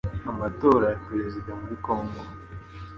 Amatora ya Perezida muri Kongo